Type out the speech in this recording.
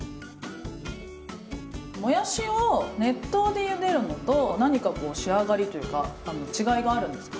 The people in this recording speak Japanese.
もやしを熱湯でゆでるのと何かこう仕上がりというか違いがあるんですか？